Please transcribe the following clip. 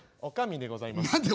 「女将でございます」。